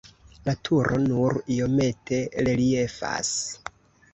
La turo nur iomete reliefas.